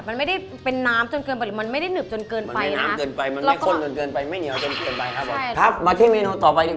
มันไม่ได้เป็นน้ำจนเกินไปมันไม่ได้หนึบจนเกินไปนะมันไม่น้ำจนเกินไป